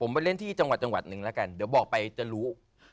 ผมไปเล่นที่จังหวัดหนึ่งแล้วกันเดี๋ยวบอกไปจะรู้